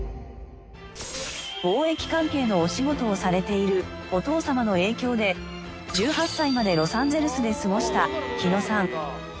貿易関係のお仕事をされているお父様の影響で１８歳までロサンゼルスで過ごした日野さん。